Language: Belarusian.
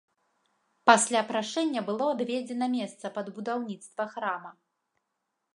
Пасля прашэння было адведзена месца пад будаўніцтва храма.